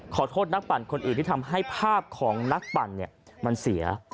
ขอโทษนักปั่นคนอื่นที่ทำให้ภาพของนักปั่นมันเสีย